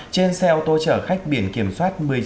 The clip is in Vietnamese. trên xe ô tô chở khách biển kiểm soát